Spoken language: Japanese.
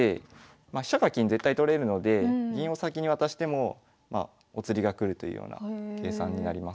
まあ飛車か金絶対取れるので銀を先に渡してもお釣りが来るというような計算になります。